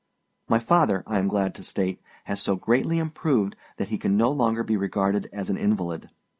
My father, I am glad to state, has so greatly improved that he can no longer be regarded as an invalid.